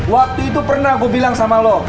waktu itu pernah aku bilang sama lo